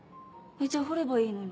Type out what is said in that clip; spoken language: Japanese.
じゃあ彫ればいいのに。